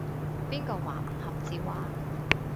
邊個話唔合照啊？